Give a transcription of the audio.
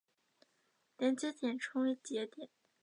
连接点称为节点。